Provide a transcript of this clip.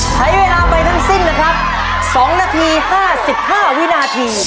ใช้เวลาไปทั้งสิ้นนะครับ๒นาที๕๕วินาที